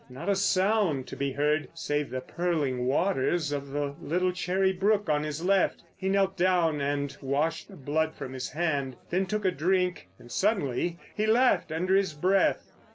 Not a sound to be heard save the purling waters of the little Cherry Brook on his left. He knelt down and washed the blood from his hand, then took a drink. And suddenly he laughed under his breath.